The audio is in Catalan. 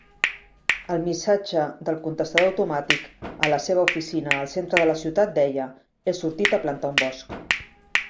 El missatge del contestador automàtic a la seva oficina al centre de la ciutat deia: "He sortit a plantar un bosc".